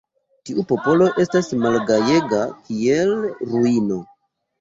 Tiu popolo estas malgajega, kiel ruino.